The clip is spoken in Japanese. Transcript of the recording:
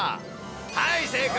はい、正解。